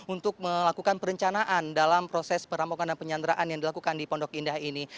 untuk melakukan perencanaan dalam proses perampokan dan penyanderaan yang dilakukan di pondok indah ini